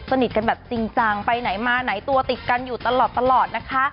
สนิทกันแบบจริงจังไปไหนมาไหนตัวติดกันอยู่ตลอดนะคะ